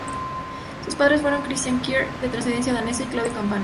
Sus padres fueron Cristian Kier, de ascendencia danesa, y Claudia Campana.